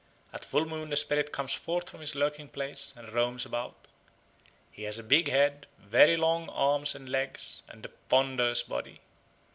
At full moon the spirit comes forth from his lurking place and roams about. He has a big head, very long arms and legs, and a ponderous body.